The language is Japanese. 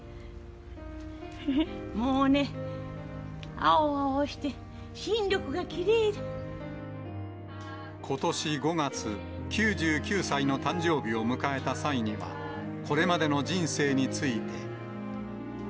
もうね、ことし５月、９９歳の誕生日を迎えた際には、これまでの人生について。